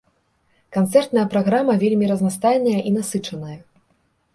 Канцэртная праграма вельмі разнастайная і насычаная.